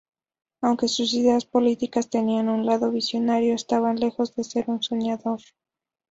Aunque sus ideas políticas tenían un lado visionario, estaba lejos de ser un soñador.